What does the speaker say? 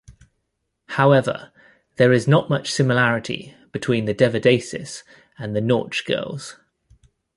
However, there is not much similarity between the Devadasis and the Nautch girls.